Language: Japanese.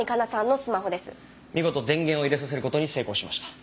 見事電源を入れさせる事に成功しました。